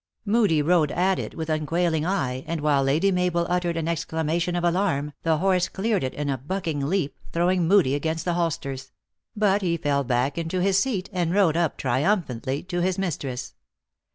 Moodie rode at it with unquailing eye, and, while Lady Mabel uttered an ex clamation of alarm, the horse cleared it in a bucking leap, throwing Moodie against the holsters ; but he fell back into his seat, and rode up triumphantly to his mistress.